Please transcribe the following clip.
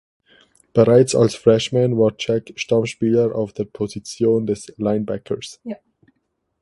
Bereits als Freshman war Jack Stammspieler auf der Position des Linebackers.